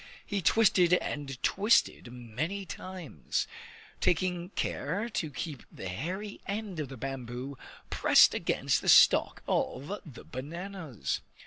He twisted and twisted many times, taking care to keep the hairy end of the bamboo pressed against the stalk of the bananas.